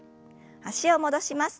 脚を戻します。